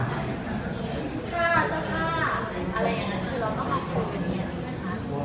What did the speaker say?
ค่าเจ้าค่าอะไรอย่างนั้นคือเราต้องมาผลกันเนี่ยใช่ไหมคะ